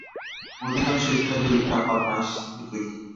অধিকাংশ স্থলেই ওটা ফরমাশে তৈরি।